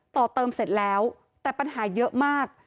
ต่อเติมเสร็จแล้วแต่ปัญหาเยอะมาก